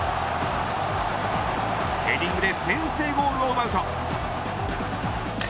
ヘディングで先制ゴールを奪うと。